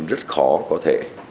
rất khó có thể